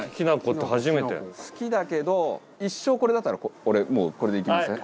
好きだけど一生これだったら俺もうこれでいきますね。